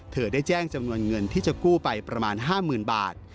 เธอได้แจ้งจำนวนเงินที่จะกู้ไปประมาณ๕๐๐๐บาท